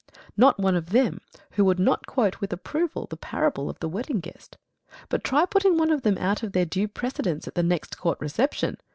Not one of them who would not quote with approval the parable of the Wedding Guest. But try putting one of them out of their due precedence at the next Court reception.